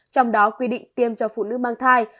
trong đó quy định tiêm cho phụ nữ mang thai